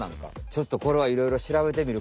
ちょっとこれはいろいろしらべてみる